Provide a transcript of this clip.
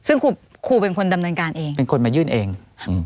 ซึ่งครูครูเป็นคนดำเนินการเองเป็นคนมายื่นเองอืม